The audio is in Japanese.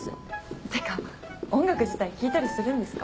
ってか音楽自体聴いたりするんですか？